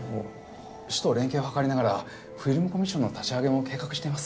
市と連携を図りながらフィルムコミッションの立ち上げも計画しています。